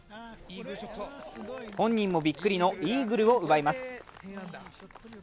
本人もびっくりのイーグルを奪います。